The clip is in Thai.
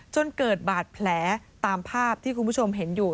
จนเกิดบาดแผลตามภาพที่คุณผู้ชมเห็นอยู่